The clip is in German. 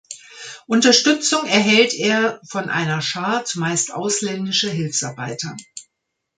Unterstützung erhält er von einer Schar zumeist ausländischer Hilfsarbeiter.